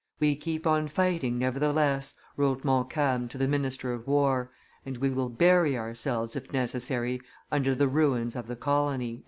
"We keep on fighting, nevertheless," wrote Montcalm to the minister of war, "and we will bury ourselves, if necessary, under the ruins of the colony."